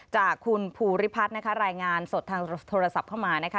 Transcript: จากคุณภูริพัฒน์นะคะรายงานสดทางโทรศัพท์เข้ามานะคะ